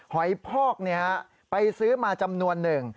หอยพอกไปซื้อมาจำนวนหนึ่ง